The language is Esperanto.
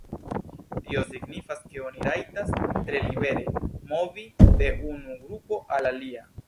Tio signifas ke oni rajtas tre libere movi de unu grupo al alia.